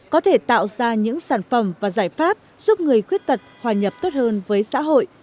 có thể tạo ra những sản phẩm và giải pháp giúp người khuyết tật hòa nhập tốt hơn với xã hội